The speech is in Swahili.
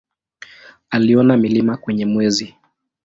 Aliona milima kwenye Mwezi.